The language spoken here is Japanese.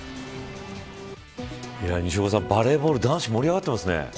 西岡さん、バレーボール男子盛り上がってますね。